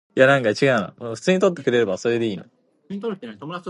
His mother died after deportation.